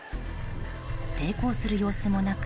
抵抗する様子もなく